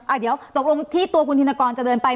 เดี๋ยวตกลงที่ตัวคุณธินกรจะเดินไป